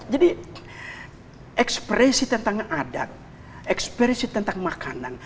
jadi ekspresi tentang adat ekspresi tentang makanan